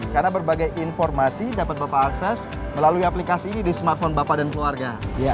karena berbagai informasi dapat bapak akses melalui aplikasi ini di smartphone bapak dan keluarga